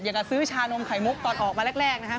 กับซื้อชานมไข่มุกตอนออกมาแรกนะครับ